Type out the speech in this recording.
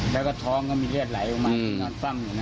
แล้วก็ท้องก็มีเลือดไหลออกมาที่นอนคว่ำอยู่นะ